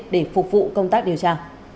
để phục vụ công tác điều tra